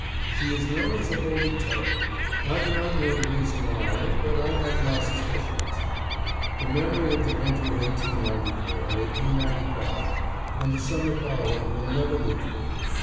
She is known as a "Holy Terror." I do not know the reason why, but I have my suspicions. The memory of the winter of 1894 and 1895 and the summer following will never leave me.